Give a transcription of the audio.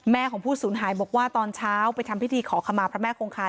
ของผู้สูญหายบอกว่าตอนเช้าไปทำพิธีขอขมาพระแม่คงคาน